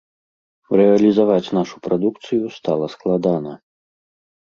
Рэалізаваць нашу прадукцыю стала складана.